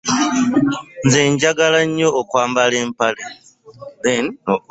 Nze njagala nyo okwambala empale.